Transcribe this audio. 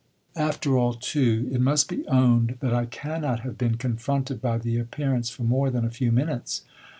After all, too, it must be owned that I cannot have been confronted by the appearance for more than a few minutes.